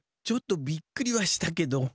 ちょっとびっくりはしたけど。